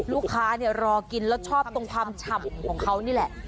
รอกินแล้วชอบตรงความฉ่ำของเขานี่แหละ